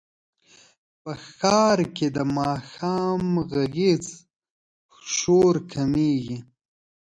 په ښار کې د ماښام غږیز شور کمېږي.